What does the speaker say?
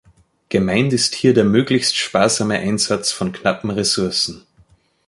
Gemeint ist hier der möglichst sparsame Einsatz von knappen Ressourcen.